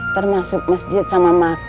termasuk masjid sama makam